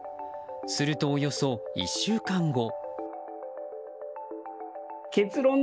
すると、およそ１週間後。